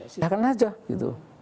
silahkan saja gitu